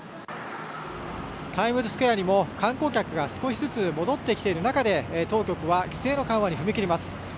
タイムズスクエアにも観光客が少しずつ戻ってきている中で当局は規制の緩和に踏み切ります。